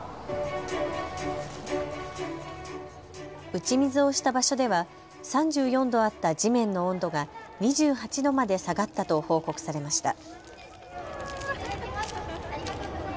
打ち水をした場所では３４度あった地面の温度が２８度まで下がったと報告されました。